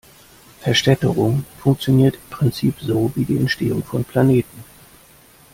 Verstädterung funktioniert im Prinzip so wie die Entstehung von Planeten.